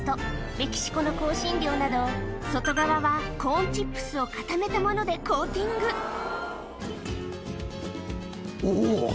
メキシコの香辛料など外側はコーンチップスを固めたものでコーティングおぉ！